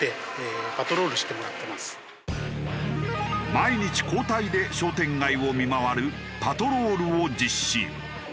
毎日交代で商店街を見回るパトロールを実施。